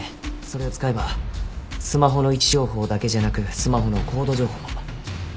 それを使えばスマホの位置情報だけじゃなくスマホの高度情報も。